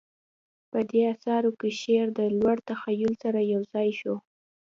په دې اثارو کې شعر د لوړ تخیل سره یوځای شو